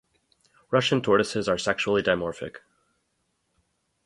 Russian tortoises are sexually dimorphic.